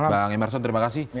bang emerson terima kasih